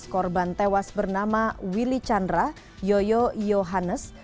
sebelas korban tewas bernama willy chandra yoyo yohanes